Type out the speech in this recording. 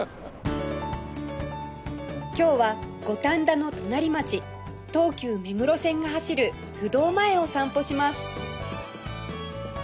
今日は五反田の隣町東急目黒線が走る不動前を散歩します